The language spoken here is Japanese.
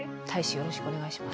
よろしくお願いします。